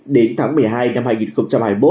đến tháng một mươi hai năm hai nghìn hai mươi một